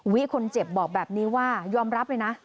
วิคนเจ็บบอกแบบนี้ว่ายอมรับเลยนะ